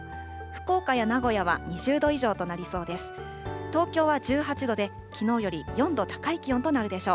福岡や名古屋は２０度以上となりそうです。